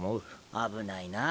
危ないな。